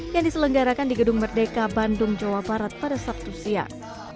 yang diselenggarakan di gedung merdeka bandung jawa barat pada sabtu siang